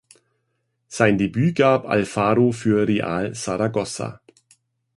Sein Debüt gab Alfaro für Real Saragossa.